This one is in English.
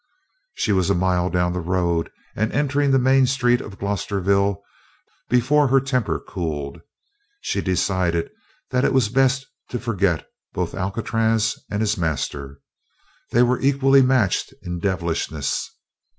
She was a mile down the road and entering the main street of Glosterville before her temper cooled. She decided that it was best to forget both Alcatraz and his master: they were equally matched in devilishness.